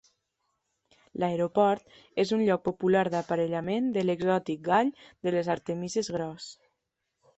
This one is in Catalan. L'aeroport és un lloc popular d'aparellament de l'exòtic gall de les artemises gros.